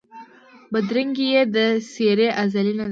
بدرنګي یې د څېرې ازلي نه ده